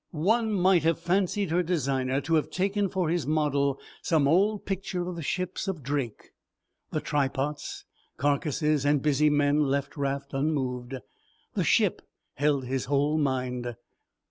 One might have fancied her designer to have taken for his model some old picture of the ships of Drake. The try pots, carcases and busy men left Raft unmoved. The ship held his whole mind.